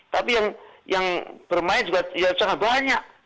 tapi yang bermain juga sangat banyak